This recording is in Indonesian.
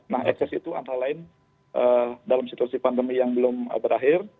nah ekses itu antara lain dalam situasi pandemi yang belum berakhir